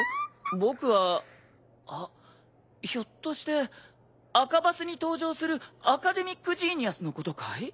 僕はあっひょっとして『アカバス』に登場するアカデミック・ジーニアスのことかい？